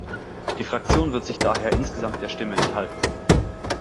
Die Fraktion wird sich daher insgesamt der Stimme enthalten.